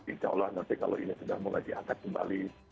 insya allah nanti kalau ini sudah mulai diangkat kembali